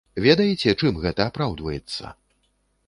Ведаеце, чым гэта апраўдваецца?